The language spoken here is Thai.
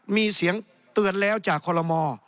มีเสียงเตือนแล้วจากคอลโลมอ